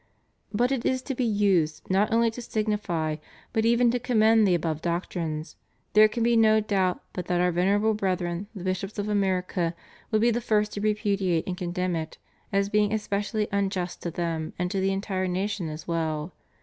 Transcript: But if it is to be used not only to signify, but even to commend the above doctrines, there can be no doubt but that our Venerable Brethren the bishops of America would be the first to repudiate and condemn it, as being especially unjust to them and to the entire nation as well.